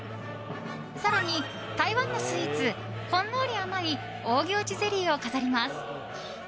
更に台湾のスイーツほんのり甘いオーギョーチゼリーを飾ります。